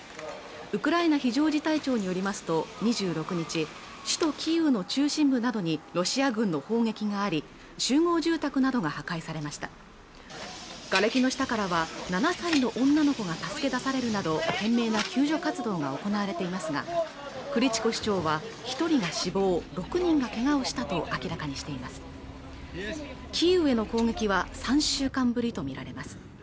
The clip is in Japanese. ウクライナ非常事態庁によりますと２６日首都キーウの中心部などにロシア軍の砲撃があり集合住宅などが破壊されましたがれきの下からは７歳の女の子が助け出されるなど懸命な救助活動が行われていますがクリチコ市長は一人が死亡６人がけがをしたと明らかにしていますキーウへの攻撃は３週間ぶりと見られます